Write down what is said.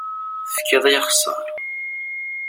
Tefkiḍ-iyi axessaṛ.